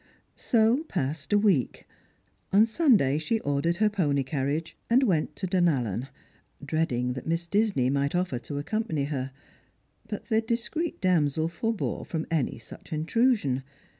So passed a week. On Sunday she ordered her pony carriage, and went to Dunallen, dreading that Miss Disney might offer to accompany her. But the discreet damsel forbore from any such intrusion.